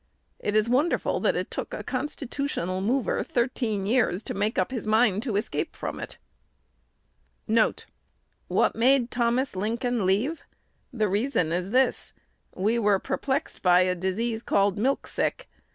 It is wonderful that it took a constitutional mover thirteen years to make up his mind to escape from it.1 1 "What made Thomas Lincoln leave? The reason is this: we were perplexed by a disease called milk sick.